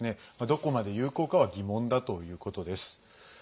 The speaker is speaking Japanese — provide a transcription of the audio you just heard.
どこまで有効かは疑問だということです。